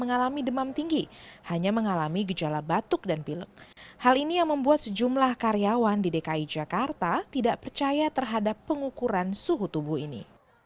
hal ini yang membuat sejumlah karyawan di dki jakarta tidak percaya terhadap pengukuran suhu tubuh ini